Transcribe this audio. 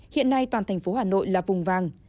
hiện nay toàn thành phố hà nội là vùng vàng